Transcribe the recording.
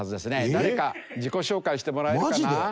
誰か自己紹介してもらえるかな？